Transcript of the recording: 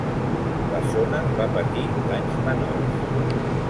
La zona va patir danys menors.